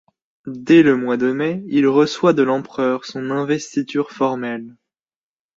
Dès le mois de mai, il reçoit de l'empereur son investiture formelle.